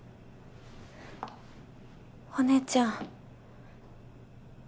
お姉ちゃん。